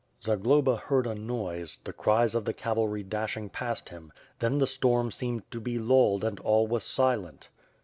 Zagloba heard a noise, the cries of the cavalry dashing past him, then the storm seemed to be lulled and all was silent.